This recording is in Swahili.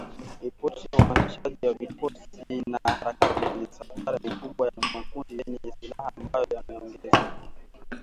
ripoti ya uhamasishaji wa vikosi na harakati za misafara mikubwa ya makundi yenye silaha ambayo yameongeza